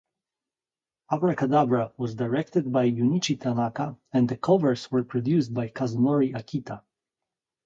Abracadabra was directed by Junichi Tanaka and the covers were produced by Kazunori Akita.